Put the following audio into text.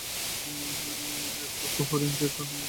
একচক্ষু হরিণ যে দিকে কানা ছিল সেই দিক থেকেই তো তীর খেয়েছিল।